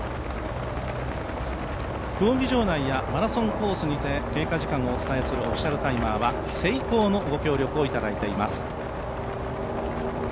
競技場内やマラソンコースにて経過時間をお伝えするオフィシャルタイマーは、ＳＥＩＫＯのご協力をいただいています。